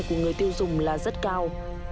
của người tiêu dùng là rất cao